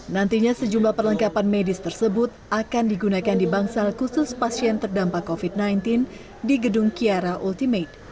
nantinya sejumlah perlengkapan medis tersebut akan digunakan di bangsal khusus pasien terdampak covid sembilan belas di gedung kiara ultimate